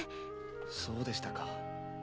そうでしたか。